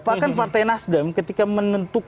bahkan partai nasdem ketika menentukan